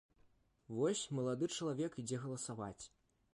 Вось малады чалавек ідзе галасаваць.